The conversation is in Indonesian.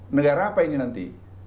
negara apa ini nanti